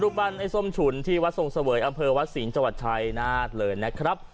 รูปบ้านไอ้ส้มฉุนที่วัดทรงเสเวยอำเภอวัดศีลจวัดชัยนาธเลินนะครับ